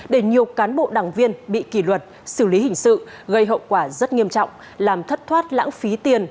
để nhiều cán bộ đảng viên bị kỷ luật xử lý hình sự gây hậu quả rất nghiêm trọng làm thất thoát lãng phí tiền